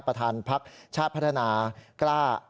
ประธานพักชาติพัฒนากล้า